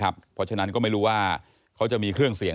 เพราะฉะนั้นก็ไม่รู้ว่าเขาจะมีเครื่องเสียง